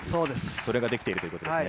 それができているということですね。